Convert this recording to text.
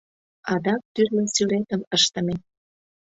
Адак тӱрлӧ сӱретым ыштыме.